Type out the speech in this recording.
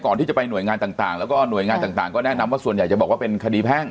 ก่อนที่จะไปหน่วยงานต่างแล้วก็หน่วยงานต่างก็แนะนำว่าส่วนใหญ่จะบอกว่าเป็นคดีแพ่ง